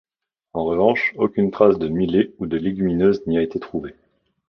En revanche, aucune trace de millet ou de légumineuses n'y a été trouvée.